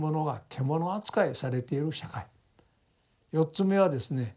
４つ目はですね